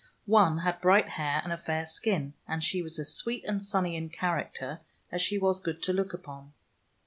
One had bright hair and a fair skin, and she was as sweet and sunny in character as she was good to look upon.